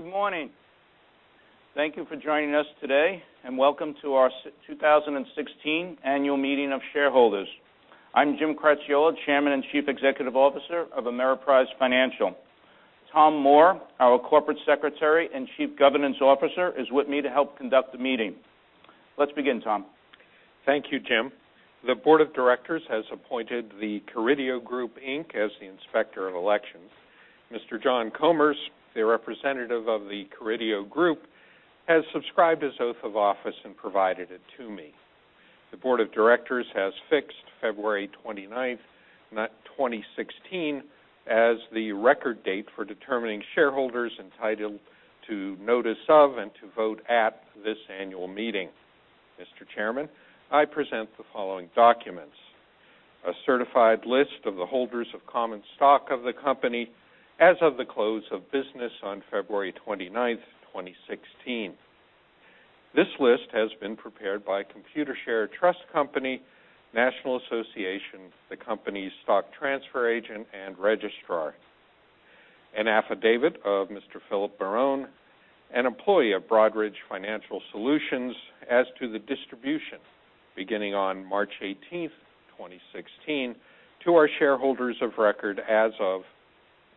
Good morning. Thank you for joining us today, and welcome to our 2016 Annual Meeting of Shareholders. I'm Jim Cracchiolo, Chairman and Chief Executive Officer of Ameriprise Financial. Tom Moore, our Corporate Secretary and Chief Governance Officer, is with me to help conduct the meeting. Let's begin, Tom. Thank you, Jim. The Board of Directors has appointed the Carideo Group, Inc. as the Inspector of Elections. Mr. John Comer, the representative of the Coridio Group, has subscribed his oath of office and provided it to me. The Board of Directors has fixed February 29th, 2016, as the record date for determining shareholders entitled to notice of and to vote at this annual meeting. Mr. Chairman, I present the following documents. A certified list of the holders of common stock of the company as of the close of business on February 29th, 2016. This list has been prepared by Computershare Trust Company, National Association, the company's stock transfer agent, and registrar. An affidavit of Mr. Philip Barone, an employee of Broadridge Financial Solutions, as to the distribution beginning on March 18th, 2016, to our shareholders of record as of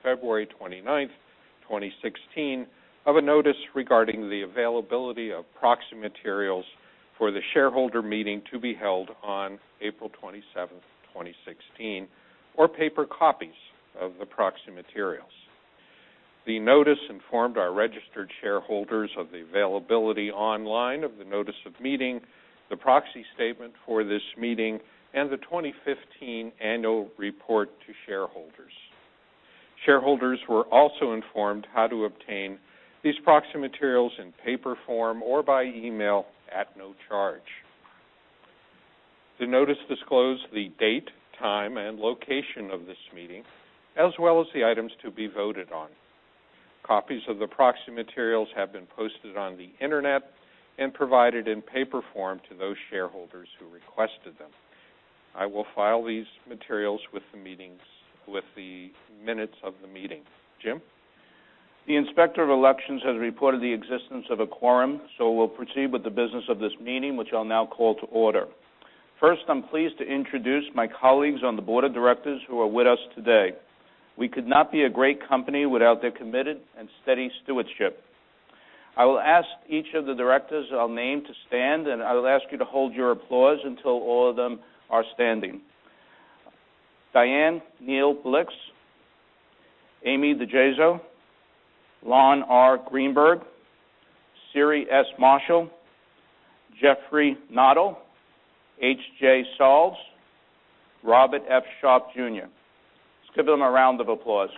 February 29th, 2016, of a notice regarding the availability of proxy materials for the shareholder meeting to be held on April 27th, 2016, or paper copies of the proxy materials. The notice informed our registered shareholders of the availability online of the notice of meeting, the proxy statement for this meeting, and the 2015 annual report to shareholders. Shareholders were also informed how to obtain these proxy materials in paper form or by email at no charge. The notice disclosed the date, time, and location of this meeting, as well as the items to be voted on. Copies of the proxy materials have been posted on the internet and provided in paper form to those shareholders who requested them. I will file these materials with the minutes of the meeting. Jim? The Inspector of Elections has reported the existence of a quorum, we'll proceed with the business of this meeting, which I'll now call to order. First, I'm pleased to introduce my colleagues on the board of directors who are with us today. We could not be a great company without their committed and steady stewardship. I will ask each of the directors I'll name to stand, and I will ask you to hold your applause until all of them are standing. Dianne Neal Blixt, Amy DiGeso, Lon R. Greenberg, Siri S. Marshall, Jeffrey Noddle, H. Jay Sarles, Robert F. Sharpe Jr. Let's give them a round of applause.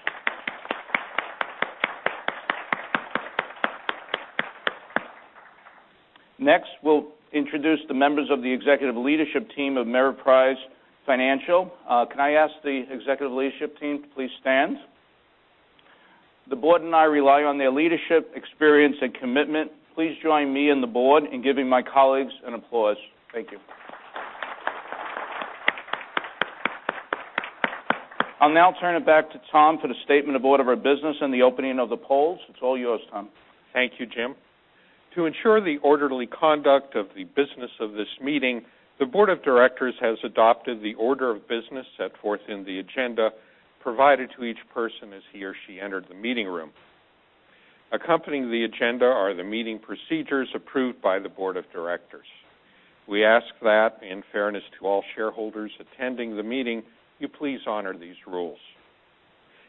Next, we'll introduce the members of the executive leadership team of Ameriprise Financial. Can I ask the executive leadership team to please stand? The board and I rely on their leadership, experience, and commitment. Please join me and the board in giving my colleagues an applause. Thank you. I'll now turn it back to Tom for the statement of order of business and the opening of the polls. It's all yours, Tom. Thank you, Jim. To ensure the orderly conduct of the business of this meeting, the board of directors has adopted the order of business set forth in the agenda provided to each person as he or she entered the meeting room. Accompanying the agenda are the meeting procedures approved by the board of directors. We ask that, in fairness to all shareholders attending the meeting, you please honor these rules.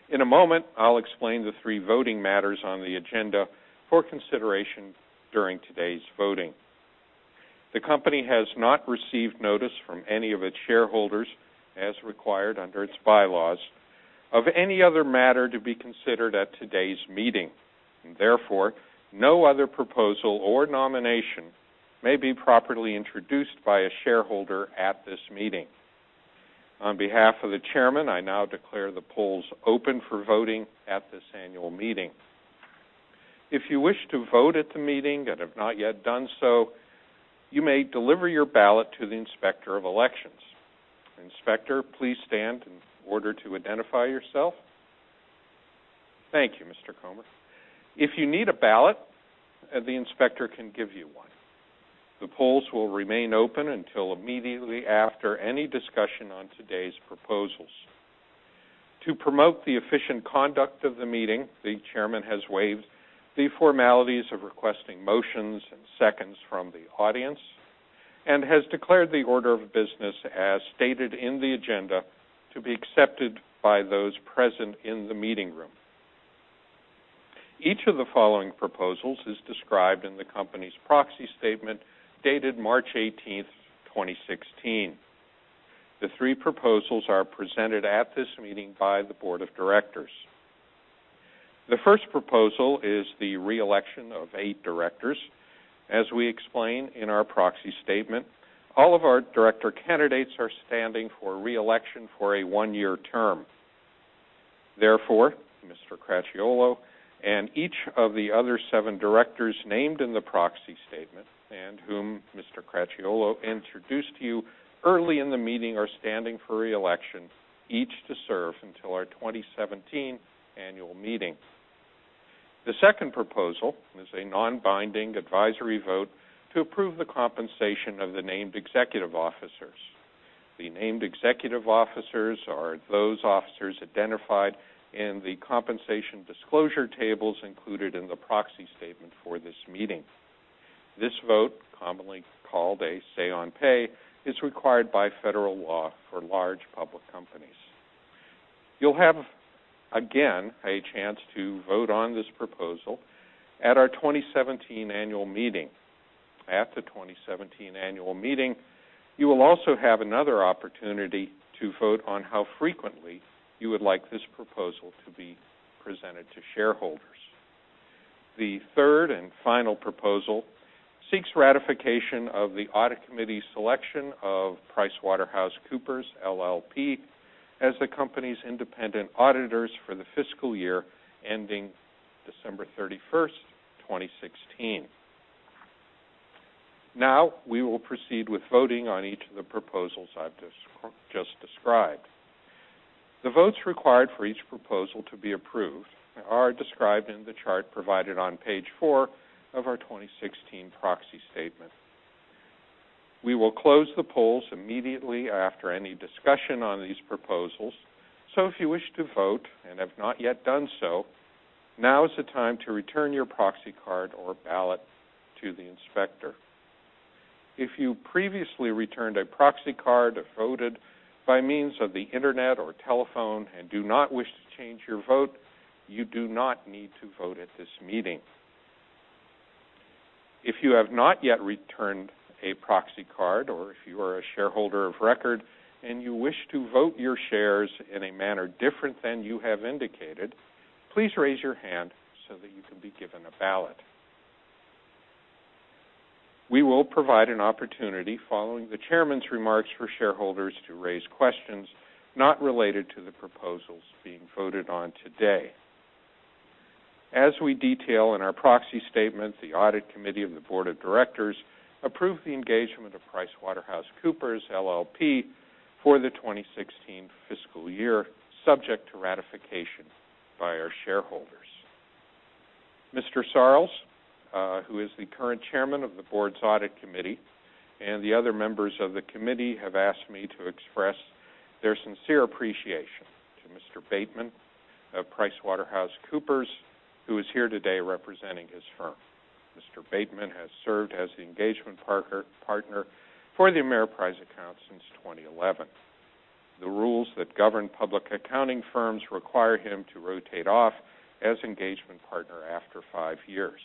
In a moment, I'll explain the three voting matters on the agenda for consideration during today's voting. The company has not received notice from any of its shareholders, as required under its bylaws, of any other matter to be considered at today's meeting. No other proposal or nomination may be properly introduced by a shareholder at this meeting. On behalf of the chairman, I now declare the polls open for voting at this annual meeting. If you wish to vote at the meeting and have not yet done so, you may deliver your ballot to the Inspector of Elections. Inspector, please stand in order to identify yourself. Thank you, Mr. Comer. If you need a ballot, the inspector can give you one. The polls will remain open until immediately after any discussion on today's proposals. To promote the efficient conduct of the meeting, the chairman has waived the formalities of requesting motions and seconds from the audience and has declared the order of business as stated in the agenda to be accepted by those present in the meeting room. Each of the following proposals is described in the company's proxy statement dated March 18th, 2016. The three proposals are presented at this meeting by the board of directors. The first proposal is the re-election of eight directors. As we explain in our proxy statement, all of our director candidates are standing for re-election for a one-year term. Therefore, Mr. Cracchiolo and each of the other seven directors named in the proxy statement and whom Mr. Cracchiolo introduced to you early in the meeting are standing for re-election, each to serve until our 2017 annual meeting. The second proposal is a non-binding advisory vote to approve the compensation of the named executive officers. The named executive officers are those officers identified in the compensation disclosure tables included in the proxy statement for this meeting. This vote, commonly called a say on pay, is required by federal law for large public companies. You'll have, again, a chance to vote on this proposal at our 2017 annual meeting. At the 2017 annual meeting, you will also have another opportunity to vote on how frequently you would like this proposal to be presented to shareholders. The third and final proposal seeks ratification of the Audit Committee's selection of PricewaterhouseCoopers LLP as the company's independent auditors for the fiscal year ending December 31st, 2016. Now, we will proceed with voting on each of the proposals I've just described. The votes required for each proposal to be approved are described in the chart provided on page four of our 2016 proxy statement. If you wish to vote and have not yet done so, now is the time to return your proxy card or ballot to the inspector. If you previously returned a proxy card or voted by means of the internet or telephone and do not wish to change your vote, you do not need to vote at this meeting. If you have not yet returned a proxy card or if you are a shareholder of record and you wish to vote your shares in a manner different than you have indicated, please raise your hand so that you can be given a ballot. We will provide an opportunity following the chairman's remarks for shareholders to raise questions not related to the proposals being voted on today. As we detail in our proxy statement, the Audit Committee of the board of directors approved the engagement of PricewaterhouseCoopers LLP for the 2016 fiscal year, subject to ratification by our shareholders. Mr. Sarles, who is the current chairman of the board's Audit Committee, and the other members of the committee have asked me to express their sincere appreciation to Mr. Bateman of PricewaterhouseCoopers, who is here today representing his firm. Mr. Bateman has served as the engagement partner for the Ameriprise account since 2011. The rules that govern public accounting firms require him to rotate off as engagement partner after five years.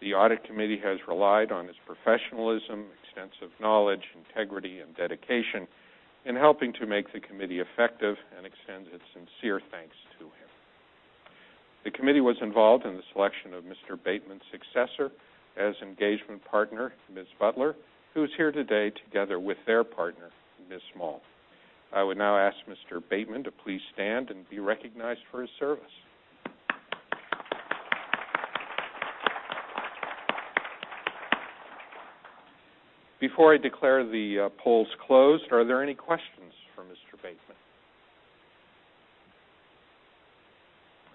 The Audit Committee has relied on his professionalism, extensive knowledge, integrity, and dedication in helping to make the committee effective and extends its sincere thanks to him. The committee was involved in the selection of Mr. Bateman's successor as engagement partner, Ms. Butler, who is here today together with their partner, Ms. Small. I would now ask Mr. Bateman to please stand and be recognized for his service. Before I declare the polls closed, are there any questions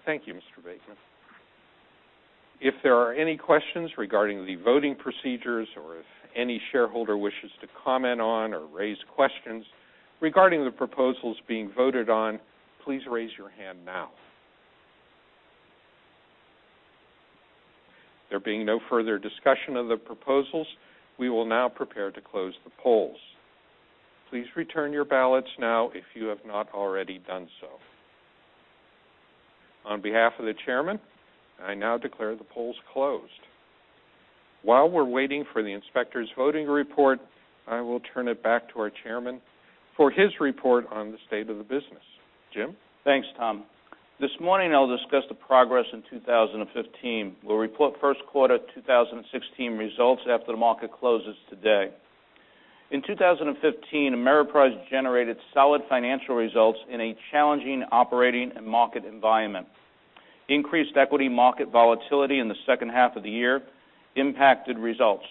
for Mr. Bateman? Thank you, Mr. Bateman. If there are any questions regarding the voting procedures or if any shareholder wishes to comment on or raise questions regarding the proposals being voted on, please raise your hand now. There being no further discussion of the proposals, we will now prepare to close the polls. Please return your ballots now if you have not already done so. On behalf of the chairman, I now declare the polls closed. While we're waiting for the inspector's voting report, I will turn it back to our chairman for his report on the state of the business. Jim? Thanks, Tom. This morning I'll discuss the progress in 2015. We'll report first quarter 2016 results after the market closes today. In 2015, Ameriprise generated solid financial results in a challenging operating and market environment. Increased equity market volatility in the second half of the year impacted results,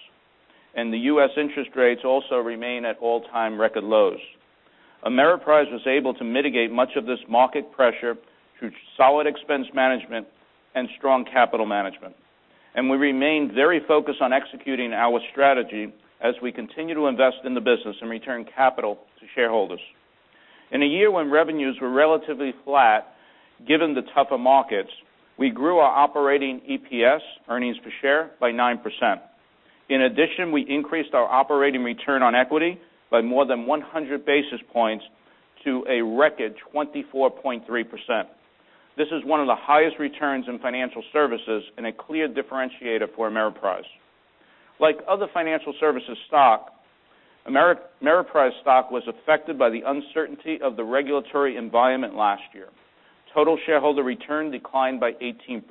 and the U.S. interest rates also remain at all-time record lows. Ameriprise was able to mitigate much of this market pressure through solid expense management and strong capital management. We remained very focused on executing our strategy as we continue to invest in the business and return capital to shareholders. In a year when revenues were relatively flat, given the tougher markets, we grew our operating EPS, earnings per share, by 9%. In addition, we increased our operating Return on Equity by more than 100 basis points to a record 24.3%. This is one of the highest returns in financial services and a clear differentiator for Ameriprise. Like other financial services stock, Ameriprise stock was affected by the uncertainty of the regulatory environment last year. Total shareholder return declined by 18%.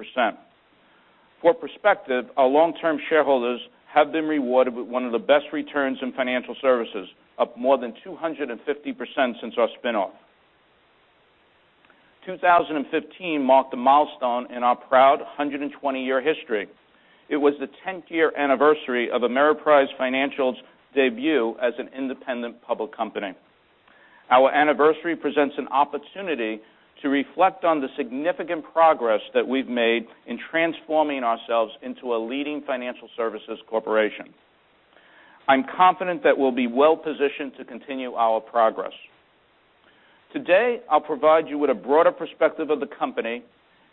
For perspective, our long-term shareholders have been rewarded with one of the best returns in financial services, up more than 250% since our spin-off. 2015 marked a milestone in our proud 120-year history. It was the 10th year anniversary of Ameriprise Financial's debut as an independent public company. Our anniversary presents an opportunity to reflect on the significant progress that we've made in transforming ourselves into a leading financial services corporation. I'm confident that we'll be well-positioned to continue our progress. Today, I'll provide you with a broader perspective of the company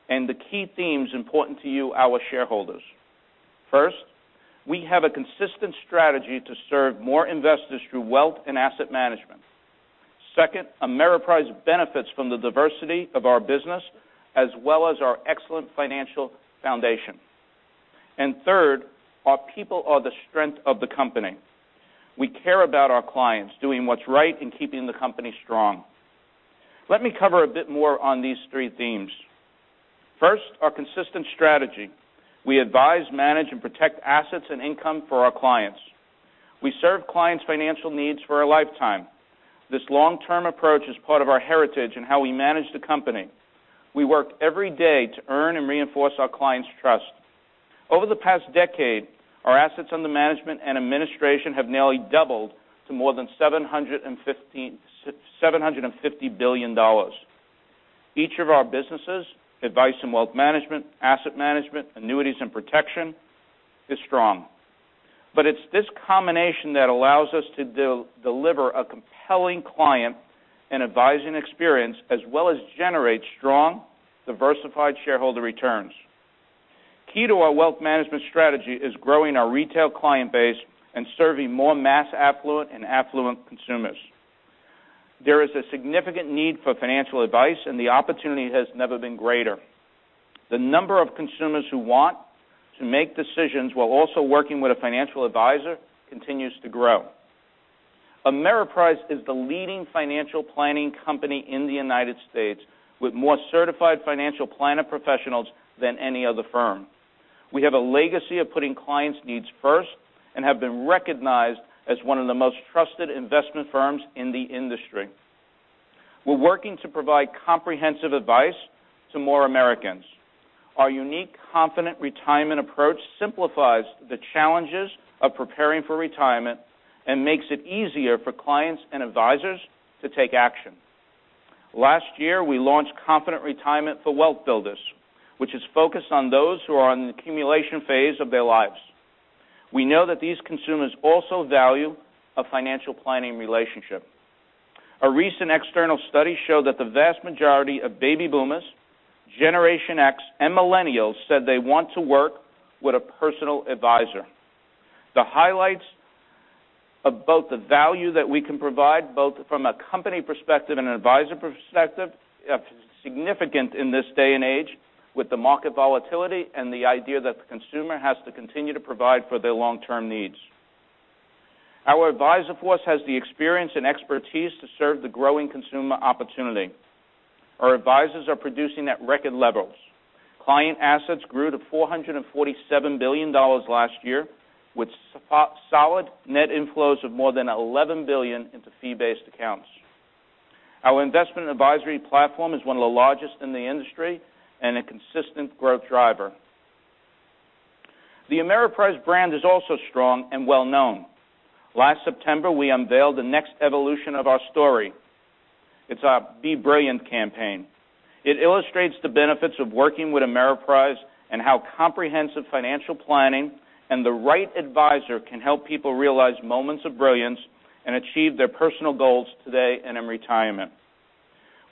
and the key themes important to you, our shareholders. First, we have a consistent strategy to serve more investors through Wealth Management and Asset Management. Second, Ameriprise benefits from the diversity of our business as well as our excellent financial foundation. Third, our people are the strength of the company. We care about our clients, doing what's right, and keeping the company strong. Let me cover a bit more on these three themes. First, our consistent strategy. We advise, manage, and protect assets and income for our clients. We serve clients' financial needs for a lifetime. This long-term approach is part of our heritage and how we manage the company. We work every day to earn and reinforce our clients' trust. Over the past decade, our assets under management and administration have nearly doubled to more than $750 billion. Each of our businesses, advice and Wealth Management, Asset Management, annuities and protection, is strong. It's this combination that allows us to deliver a compelling client and advising experience as well as generate strong, diversified shareholder returns. Key to our wealth management strategy is growing our retail client base and serving more mass affluent and affluent consumers. There is a significant need for financial advice, and the opportunity has never been greater. The number of consumers who want to make decisions while also working with a financial advisor continues to grow. Ameriprise is the leading financial planning company in the U.S., with more Certified Financial Planner professionals than any other firm. We have a legacy of putting clients' needs first and have been recognized as one of the most trusted investment firms in the industry. We're working to provide comprehensive advice to more Americans. Our unique Confident Retirement approach simplifies the challenges of preparing for retirement and makes it easier for clients and advisors to take action. Last year, we launched Confident Retirement for Wealth Builders, which is focused on those who are in the accumulation phase of their lives. We know that these consumers also value a financial planning relationship. A recent external study showed that the vast majority of baby boomers, Generation X, and millennials said they want to work with a personal advisor. The highlights of both the value that we can provide, both from a company perspective and an advisor perspective, are significant in this day and age, with the market volatility and the idea that the consumer has to continue to provide for their long-term needs. Our advisor force has the experience and expertise to serve the growing consumer opportunity. Our advisors are producing at record levels. Client assets grew to $447 billion last year, with solid net inflows of more than $11 billion into fee-based accounts. Our investment advisory platform is one of the largest in the industry and a consistent growth driver. The Ameriprise brand is also strong and well-known. Last September, we unveiled the next evolution of our story. It's our Be Brilliant campaign. It illustrates the benefits of working with Ameriprise and how comprehensive financial planning and the right advisor can help people realize moments of brilliance and achieve their personal goals today and in retirement.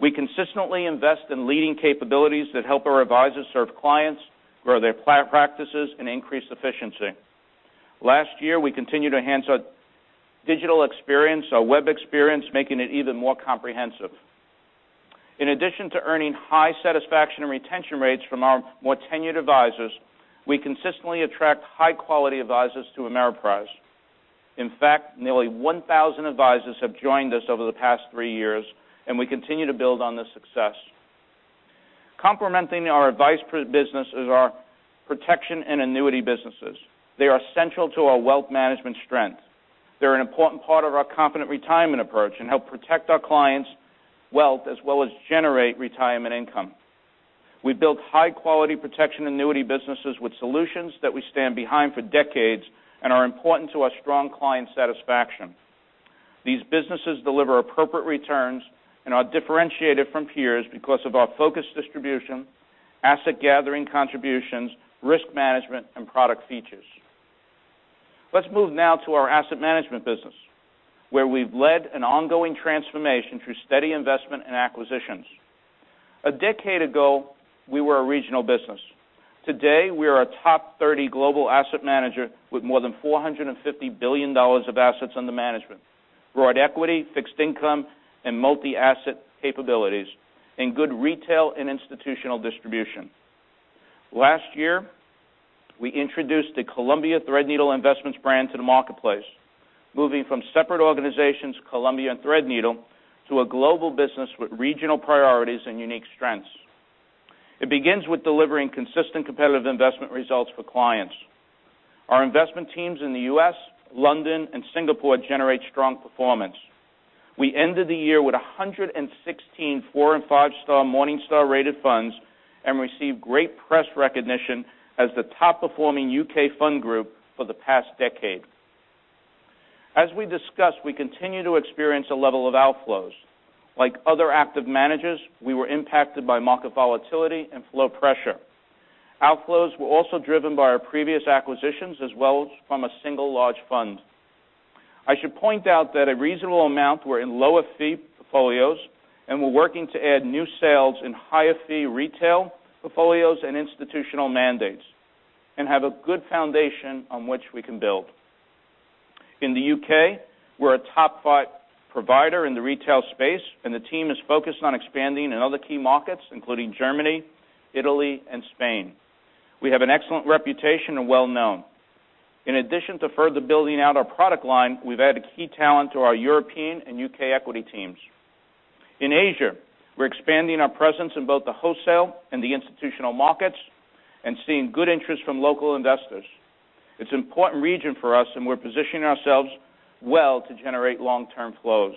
We consistently invest in leading capabilities that help our advisors serve clients, grow their practices, and increase efficiency. Last year, we continued to enhance our digital experience, our web experience, making it even more comprehensive. In addition to earning high satisfaction and retention rates from our more tenured advisors, we consistently attract high-quality advisors to Ameriprise. In fact, nearly 1,000 advisors have joined us over the past three years, and we continue to build on this success. Complementing our advice business is our protection and annuity businesses. They are central to our wealth management strength. They're an important part of our Confident Retirement approach and help protect our clients' wealth as well as generate retirement income. We build high-quality protection annuity businesses with solutions that we stand behind for decades and are important to our strong client satisfaction. These businesses deliver appropriate returns and are differentiated from peers because of our focused distribution, asset gathering contributions, risk management, and product features. Let's move now to our asset management business, where we've led an ongoing transformation through steady investment and acquisitions. A decade ago, we were a regional business. Today, we are a top 30 global asset manager with more than $450 billion of assets under management, broad equity, fixed income, and multi-asset capabilities, and good retail and institutional distribution. Last year, we introduced the Columbia Threadneedle Investments brand to the marketplace, moving from separate organizations, Columbia and Threadneedle, to a global business with regional priorities and unique strengths. It begins with delivering consistent competitive investment results for clients. Our investment teams in the U.S., London, and Singapore generate strong performance. We ended the year with 116 four and five-star Morningstar-rated funds. We received great press recognition as the top performing U.K. fund group for the past decade. As we discussed, we continue to experience a level of outflows. Like other active managers, we were impacted by market volatility and flow pressure. Outflows were also driven by our previous acquisitions, as well as from a single large fund. I should point out that a reasonable amount were in lower fee portfolios. We're working to add new sales in higher fee retail portfolios and institutional mandates and have a good foundation on which we can build. In the U.K., we're a top five provider in the retail space. The team is focused on expanding in other key markets, including Germany, Italy, and Spain. We have an excellent reputation and well-known. In addition to further building out our product line, we've added key talent to our European and U.K. equity teams. In Asia, we're expanding our presence in both the wholesale and the institutional markets and seeing good interest from local investors. It's important region for us, and we're positioning ourselves well to generate long-term flows.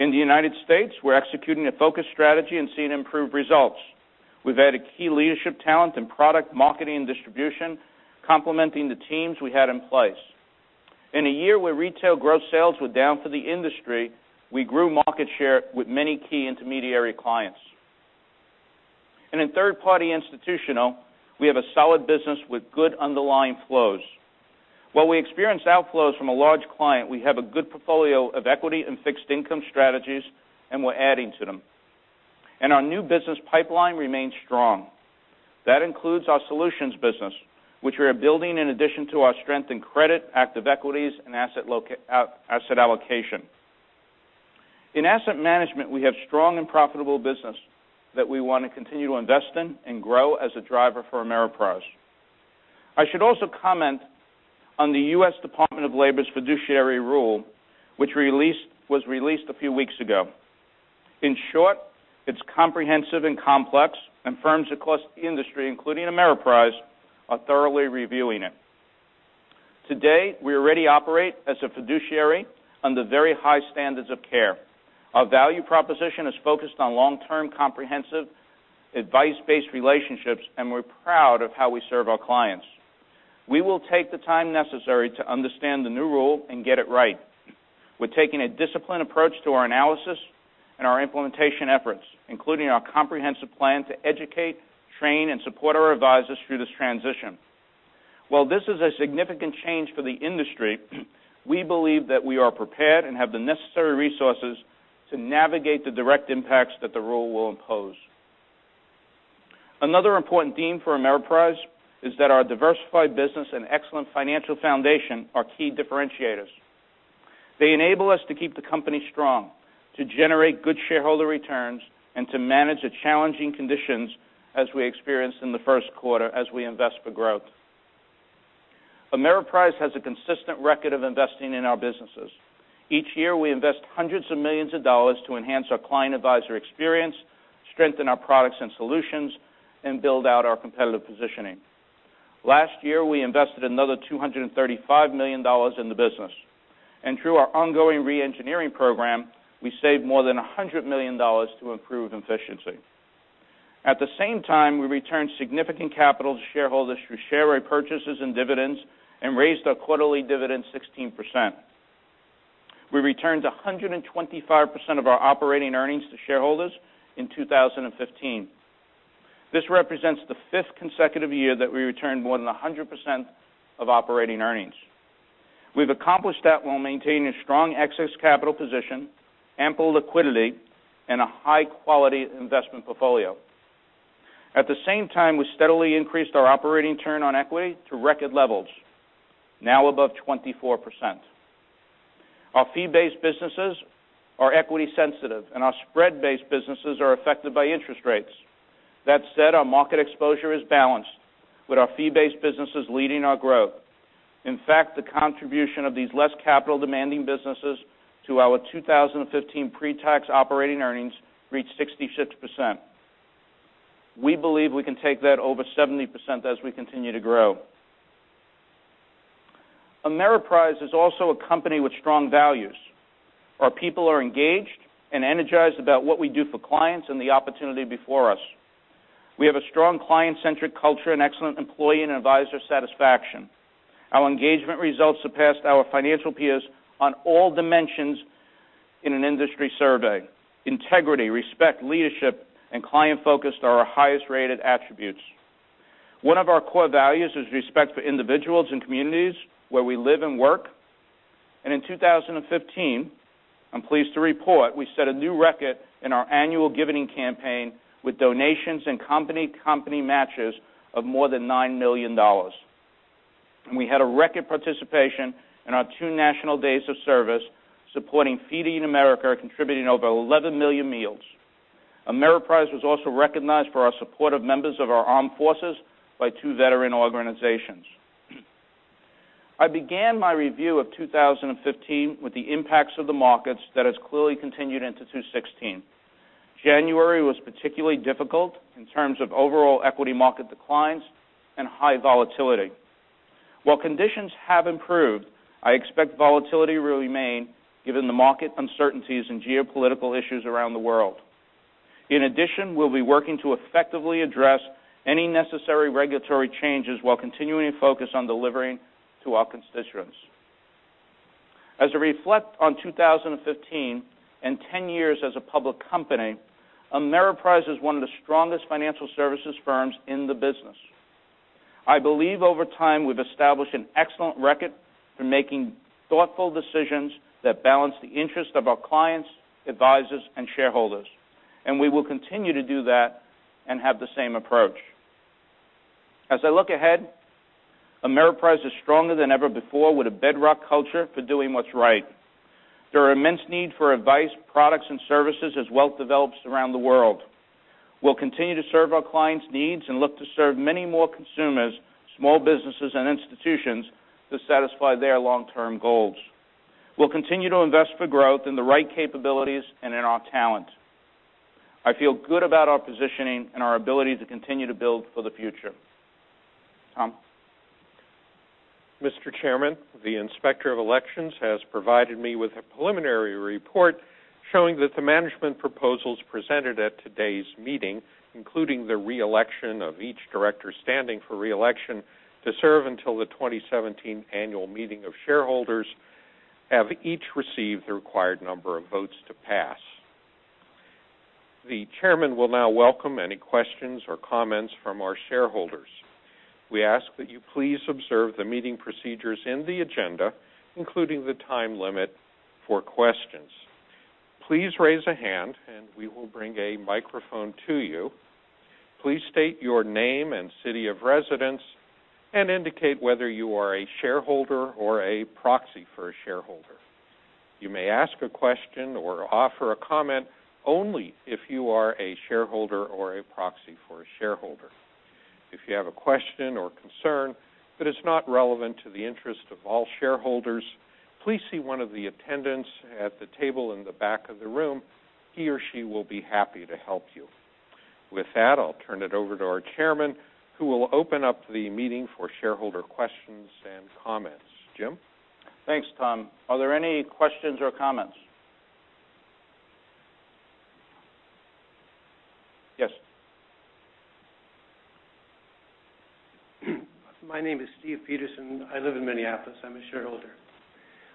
In the United States, we're executing a focused strategy and seeing improved results. We've added key leadership talent in product marketing and distribution, complementing the teams we had in place. In a year where retail growth sales were down for the industry, we grew market share with many key intermediary clients. In third party institutional, we have a solid business with good underlying flows. While we experienced outflows from a large client, we have a good portfolio of equity and fixed income strategies, and we're adding to them. Our new business pipeline remains strong. That includes our solutions business, which we are building in addition to our strength in credit, active equities, and asset allocation. In asset management, we have strong and profitable business that we want to continue to invest in and grow as a driver for Ameriprise. I should also comment on the U.S. Department of Labor's Fiduciary Rule, which was released a few weeks ago. In short, it's comprehensive and complex. Firms across the industry, including Ameriprise, are thoroughly reviewing it. Today, we already operate as a fiduciary under very high standards of care. Our value proposition is focused on long-term, comprehensive, advice-based relationships, and we're proud of how we serve our clients. We will take the time necessary to understand the new rule and get it right. We're taking a disciplined approach to our analysis and our implementation efforts, including our comprehensive plan to educate, train, and support our advisors through this transition. While this is a significant change for the industry, we believe that we are prepared and have the necessary resources to navigate the direct impacts that the rule will impose. Another important theme for Ameriprise is that our diversified business and excellent financial foundation are key differentiators. They enable us to keep the company strong, to generate good shareholder returns, and to manage the challenging conditions as we experienced in the first quarter as we invest for growth. Ameriprise has a consistent record of investing in our businesses. Each year, we invest hundreds of millions of dollars to enhance our client advisor experience, strengthen our products and solutions, and build out our competitive positioning. Last year, we invested another $235 million in the business, and through our ongoing re-engineering program, we saved more than $100 million to improve efficiency. At the same time, we returned significant capital to shareholders through share repurchases and dividends and raised our quarterly dividend 16%. We returned 125% of our operating earnings to shareholders in 2015. This represents the fifth consecutive year that we returned more than 100% of operating earnings. We've accomplished that while maintaining a strong excess capital position, ample liquidity, and a high-quality investment portfolio. At the same time, we steadily increased our operating Return on Equity to record levels, now above 24%. Our fee-based businesses are equity sensitive, and our spread-based businesses are affected by interest rates. That said, our market exposure is balanced with our fee-based businesses leading our growth. In fact, the contribution of these less capital demanding businesses to our 2015 pre-tax operating earnings reached 66%. We believe we can take that over 70% as we continue to grow. Ameriprise is also a company with strong values. Our people are engaged and energized about what we do for clients and the opportunity before us. We have a strong client-centric culture and excellent employee and advisor satisfaction. Our engagement results surpassed our financial peers on all dimensions in an industry survey. Integrity, respect, leadership, and client-focused are our highest rated attributes. One of our core values is respect for individuals and communities where we live and work. In 2015, I'm pleased to report we set a new record in our annual giving campaign with donations and company matches of more than $9 million. We had a record participation in our two national days of service supporting Feeding America, contributing over 11 million meals. Ameriprise was also recognized for our support of members of our armed forces by two veteran organizations. I began my review of 2015 with the impacts of the markets that has clearly continued into 2016. January was particularly difficult in terms of overall equity market declines and high volatility. While conditions have improved, I expect volatility will remain given the market uncertainties and geopolitical issues around the world. In addition, we'll be working to effectively address any necessary regulatory changes while continuing to focus on delivering to our constituents. As I reflect on 2015 and 10 years as a public company, Ameriprise is one of the strongest financial services firms in the business. I believe over time, we've established an excellent record for making thoughtful decisions that balance the interest of our clients, advisors, and shareholders, and we will continue to do that and have the same approach. As I look ahead, Ameriprise is stronger than ever before with a bedrock culture for doing what's right. There are immense need for advice, products, and services as wealth develops around the world. We'll continue to serve our clients' needs and look to serve many more consumers, small businesses, and institutions to satisfy their long-term goals. We'll continue to invest for growth in the right capabilities and in our talent. I feel good about our positioning and our ability to continue to build for the future. Tom? Mr. Chairman, the Inspector of Elections has provided me with a preliminary report showing that the management proposals presented at today's meeting, including the re-election of each Director standing for re-election to serve until the 2017 Annual Meeting of Shareholders, have each received the required number of votes to pass. The Chairman will now welcome any questions or comments from our shareholders. We ask that you please observe the meeting procedures in the agenda, including the time limit for questions. Please raise a hand, and we will bring a microphone to you. Please state your name and city of residence and indicate whether you are a shareholder or a proxy for a shareholder. You may ask a question or offer a comment only if you are a shareholder or a proxy for a shareholder. If you have a question or concern that is not relevant to the interest of all shareholders, please see one of the attendants at the table in the back of the room. He or she will be happy to help you. With that, I'll turn it over to our Chairman, who will open up the meeting for shareholder questions and comments. Jim? Thanks, Tom. Are there any questions or comments? Yes. My name is Steve Peterson. I live in Minneapolis. I'm a shareholder.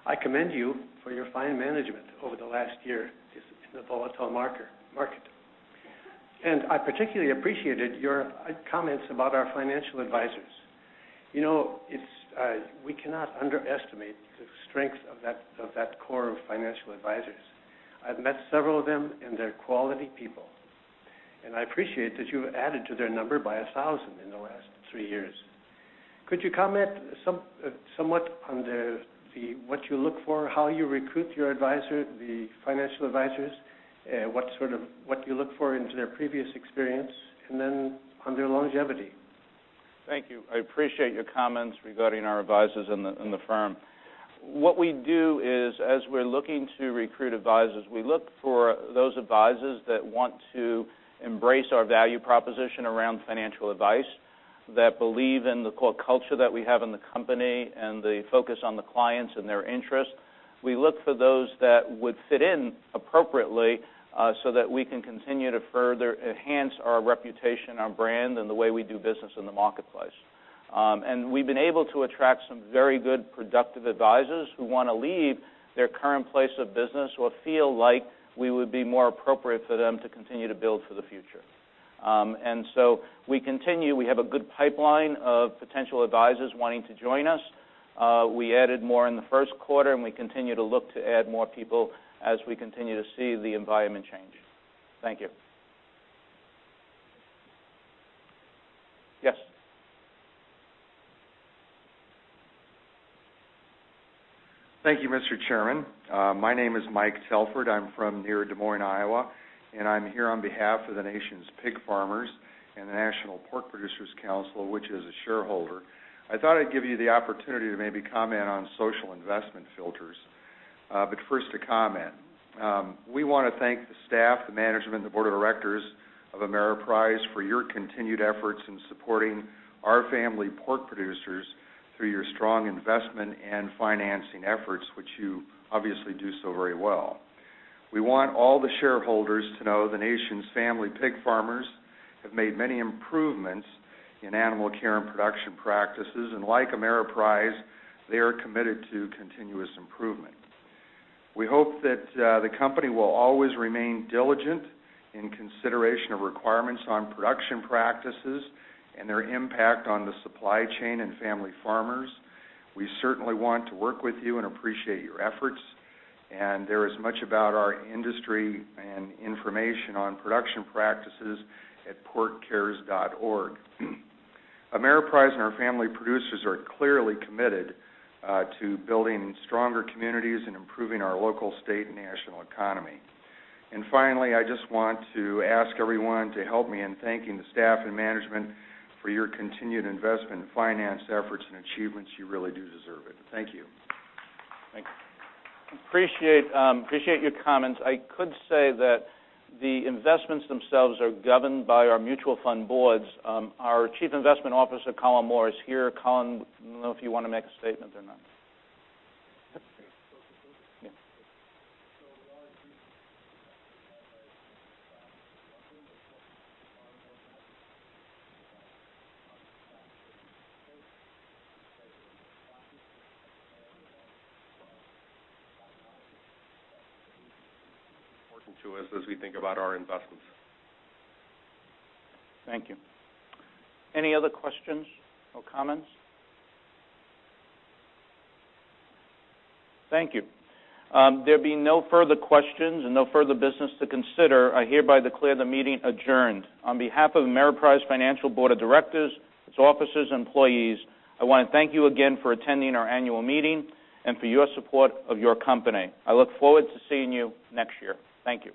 I commend you for your fine management over the last year in the volatile market. I particularly appreciated your comments about our financial advisors. We cannot underestimate the strength of that core of financial advisors. I've met several of them, and they're quality people, and I appreciate that you added to their number by 1,000 in the last three years. Could you comment somewhat on what you look for, how you recruit your financial advisors, what you look for into their previous experience, and then on their longevity? Thank you. I appreciate your comments regarding our advisors in the firm. What we do is, as we're looking to recruit advisors, we look for those advisors that want to embrace our value proposition around financial advice, that believe in the core culture that we have in the company and the focus on the clients and their interests. We look for those that would fit in appropriately so that we can continue to further enhance our reputation, our brand, and the way we do business in the marketplace. We've been able to attract some very good, productive advisors who want to leave their current place of business or feel like we would be more appropriate for them to continue to build for the future. We continue. We have a good pipeline of potential advisors wanting to join us. We added more in the first quarter. We continue to look to add more people as we continue to see the environment change. Thank you. Yes. Thank you, Mr. Chairman. My name is Mike Telford. I'm from near Des Moines, Iowa. I'm here on behalf of the nation's pig farmers and the National Pork Producers Council, which is a shareholder. I thought I'd give you the opportunity to maybe comment on social investment filters. First a comment. We want to thank the staff, the management, the board of directors of Ameriprise for your continued efforts in supporting our family pork producers through your strong investment and financing efforts, which you obviously do so very well. We want all the shareholders to know the nation's family pig farmers have made many improvements in animal care and production practices. Like Ameriprise, they are committed to continuous improvement. We hope that the company will always remain diligent in consideration of requirements on production practices and their impact on the supply chain and family farmers. We certainly want to work with you and appreciate your efforts, there is much about our industry and information on production practices at porkcares.org. Ameriprise and our family producers are clearly committed to building stronger communities and improving our local, state, and national economy. Finally, I just want to ask everyone to help me in thanking the staff and management for your continued investment, finance efforts, and achievements. You really do deserve it. Thank you. Thank you. Appreciate your comments. I could say that the investments themselves are governed by our mutual fund boards. Our Chief Investment Officer, Colin Moore, is here. Colin, I don't know if you want to make a statement or not. important to us as we think about our investments. Thank you. Any other questions or comments? Thank you. There being no further questions and no further business to consider, I hereby declare the meeting adjourned. On behalf of Ameriprise Financial Board of Directors, its officers, and employees, I want to thank you again for attending our annual meeting and for your support of your company. I look forward to seeing you next year. Thank you.